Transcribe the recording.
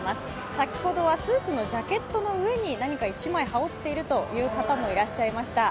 先ほどはスーツのジャケットの上に何か１枚羽織っているという方もいらっしゃいました。